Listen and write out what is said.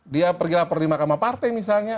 dia pergi lapor di mahkamah partai misalnya